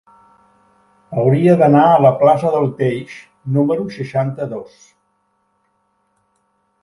Hauria d'anar a la plaça del Teix número seixanta-dos.